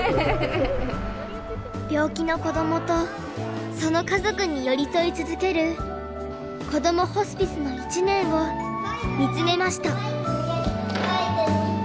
病気の子どもとその家族に寄り添い続けるこどもホスピスの１年を見つめました。